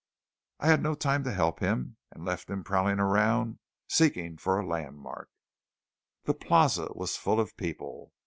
I had no time to help him, and left him prowling around seeking for a landmark. The Plaza was full of people.